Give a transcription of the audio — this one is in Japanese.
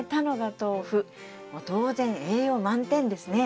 もう当然栄養満点ですね。